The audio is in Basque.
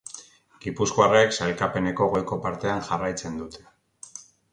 Gipuzkoarrek sailkapeneko goiko partean jarraitzen dute.